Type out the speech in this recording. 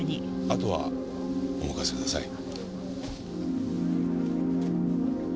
あとはお任せください。